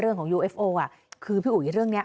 นี่